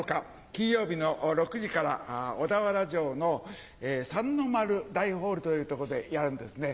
金曜日の６時から小田原城の三の丸大ホールというとこでやるんですね。